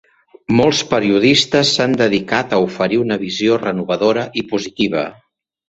Molts periodistes s'han dedicat a oferir una visió renovadora i positiva.